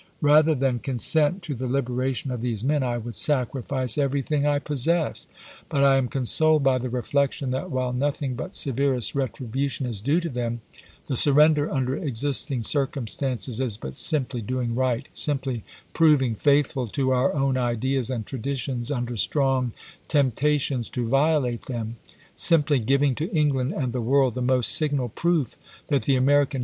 Rather than consent to the liberation of these men, I would sacrifice everything I possess. But I am consoled by the reflection that, while nothing but severest retribu tion is due to them, the surrender under existing cir cumstances is but simply doing right — simply proving faithful to our own ideas and traditions under strong temptations to violate them — simply giving to England and the world the most signal proof that the American ^^„